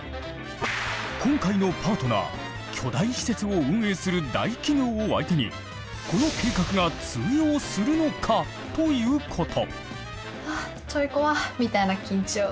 今回のパートナー巨大施設を運営する大企業を相手にこの計画が通用するのか？ということ。